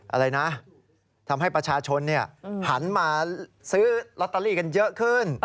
อะไรนะทำให้ประชาชนหันมาซื้อลอตเตอรี่กันเยอะขึ้น